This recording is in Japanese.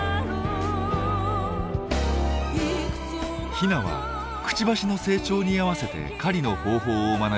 ヒナはクチバシの成長に合わせて狩りの方法を学び